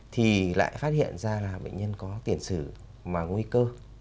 thì lại phát hiện ra là bệnh nhân có tiền sử mà nguy cơ